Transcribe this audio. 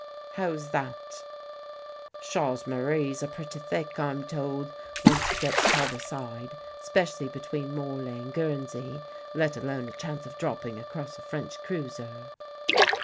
"How's that?" "Chasse marees are pretty thick, I'm told, once you get near t'other side, 'specially between Morlaix and Guernsey, let alone a chance of dropping across a French cruiser."